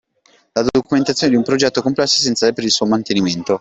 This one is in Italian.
La documentazione di un progetto complesso è essenziale per il suo mantenimento.